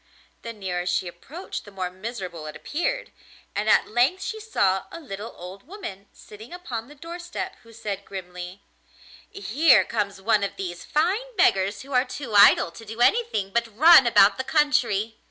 The nearer she approached the more miserable it appeared, and at length she saw a little old woman sitting upon the door step, who said grimly: 'Here comes one of these fine beggars who are too idle to do anything but run about the country!